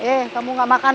eh kamu ga makan